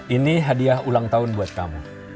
ini hadiah ulang tahun buat kamu